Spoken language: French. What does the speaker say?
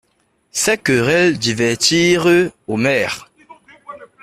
Ces querelles divertirent Omer.